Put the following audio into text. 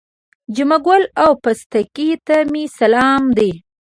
جمعه ګل او پستکي ته مې سلام دی.